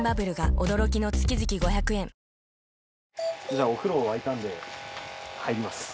じゃあお風呂沸いたんで入ります。